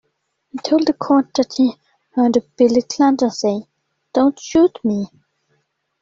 He told the court that he heard Billy Clanton say, Don't shoot me.